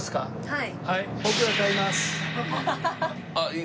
はい。